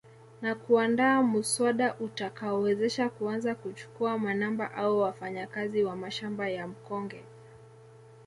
Na kuandaa muswada utakaowezesha kuanza kuchukua manamba au wafanyakazi wa mashamba ya mkonge